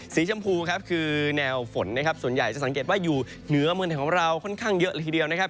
สีชมพูครับคือแนวฝนนะครับส่วนใหญ่จะสังเกตว่าอยู่เหนือเมืองไทยของเราค่อนข้างเยอะเลยทีเดียวนะครับ